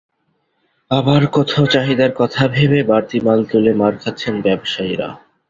আবার কোথাও চাহিদার কথা ভেবে বাড়তি মাল তুলে মার খাচ্ছেন ব্যবসায়ীরা।